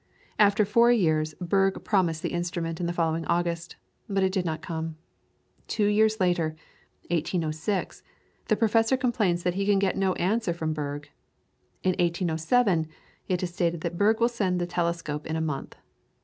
After four years Berge promised the instrument in the following August, but it did not come. Two years later (1806) the professor complains that he can get no answer from Berge. In 1807, it is stated that Berge will send the telescope in a month.